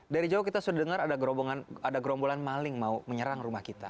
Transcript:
dari jauh kita sudah dengar ada gerombolan maling mau menyerang rumah kita